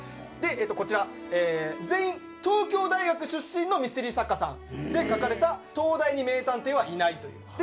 えっとこちら全員東京大学出身のミステリー作家さんで書かれた『東大に名探偵はいない』という。